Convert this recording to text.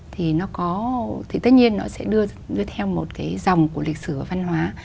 thì nó có thì tất nhiên nó sẽ đưa theo một cái dòng của lịch sử và văn hóa